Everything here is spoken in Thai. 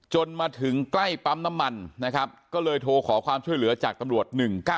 จนมาถึงใกล้ปั๊มน้ำมันนะครับก็เลยโทรขอความช่วยเหลือจากตำรวจ๑๙๑